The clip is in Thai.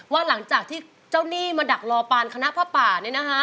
หลังจากที่เจ้าหนี้มาดักรอปานคณะผ้าป่าเนี่ยนะคะ